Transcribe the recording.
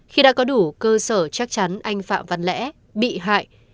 khi đã có đủ cơ sở chắc chắn anh phạm văn lẽ bị hại